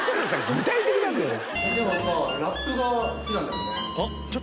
具体的なんだよね。